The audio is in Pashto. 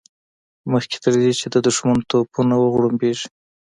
مخکې تر دې چې د دښمن توپونه وغړمبېږي.